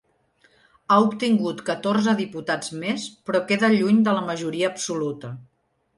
Ha obtingut catorze diputats més, però queda lluny de la majoria absoluta.